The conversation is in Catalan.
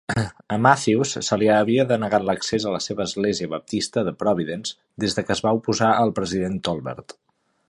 A Matthews se li havia denegat l'accés a la seva l'Església Baptista de Providence des que es va oposar a el president Tolbert.